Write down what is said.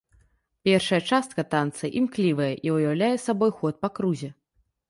Першая частка танца імклівая і ўяўляе сабой ход па крузе.